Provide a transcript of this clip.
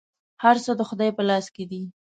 هر څه د خدای په لاس کي دي .